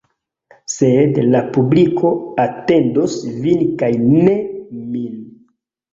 Sed la publiko atendos vin kaj ne min.